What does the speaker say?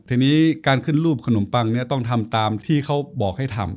ทีนี้การขึ้นรูปขนมปังเนี่ยต้องทำตามที่เขาบอกให้ทำ